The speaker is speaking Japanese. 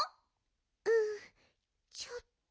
うんちょっと。